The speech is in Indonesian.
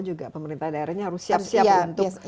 juga pemerintah daerahnya harus siap siap untuk